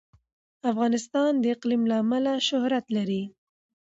افغانستان د اقلیم له امله شهرت لري.